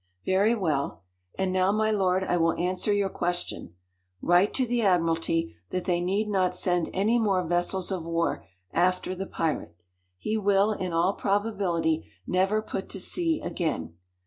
"Very well. And now, my lord, I will answer your question. Write to the admiralty that they need not send any more vessels of war after the pirate. He will, in all probability, never put to sea again.